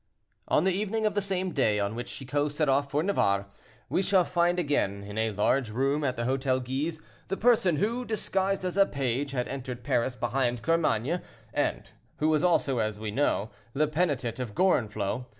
On the evening of the same day on which Chicot set off for Navarre, we shall find again, in a large room at the Hotel Guise, the person who, disguised as a page, had entered Paris behind Carmainges, and who was also, as we know, the penitent of Gorenflot.